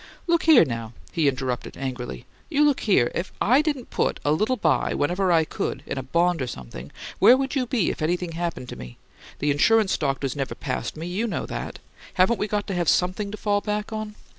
You " "Look here, now," he interrupted, angrily. "You look here! If I didn't put a little by whenever I could, in a bond or something, where would you be if anything happened to me? The insurance doctors never passed me; YOU know that. Haven't we got to have SOMETHING to fall back on?"